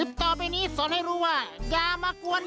สวัสดีค่ะต่างทุกคน